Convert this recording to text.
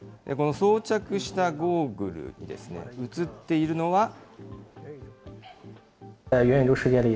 装着したゴーグルに映っているのは。